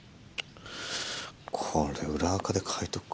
これ裏垢で書いとくか。